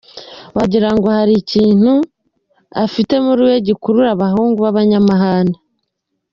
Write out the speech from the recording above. Wagira ngo hari ikintu afite muri we gikurura abahungu babanyamahane.